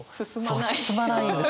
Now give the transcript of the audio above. そう進まないんですよ。